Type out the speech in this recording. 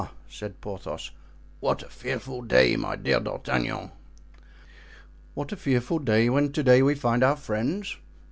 said Porthos, "what a fearful day, my dear D'Artagnan!" "What! a fearful day, when to day we find our friends?"